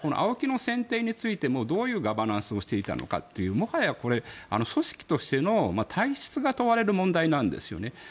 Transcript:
ＡＯＫＩの選定についてもどういうガバナンスをしていたのかというもはや、これは組織としての体質が問われる問題なんですね。